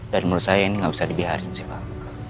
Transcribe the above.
dan menurut saya ini gak bisa dibiarin sih pak